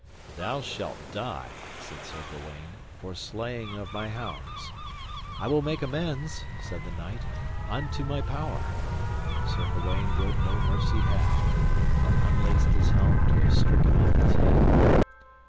Thou shalt die, said Sir Gawaine, for slaying of my hounds. I will make amends, said the knight, unto my power. Sir Gawaine would no mercy have, but unlaced his helm to have stricken off his head.